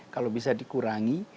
kalau bisa dikurangi